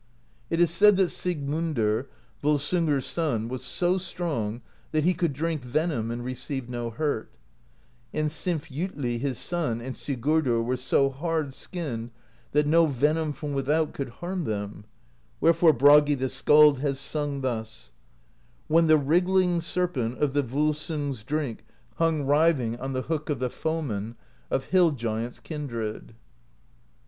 It is said that Sigmundr, Volsungr's son, was so strong that he could drink venom and receive no hurt; and Sinfjotli his son and Sigurdr were so hard skinned that no venom from without could harm them : wherefore Bragi the Skald has sung thus: When the wriggling Serpent Of the Volsung's Drink hung writhing i6o PROSE EDDA On the hook of the Foeman Of Hill Giants' kindred.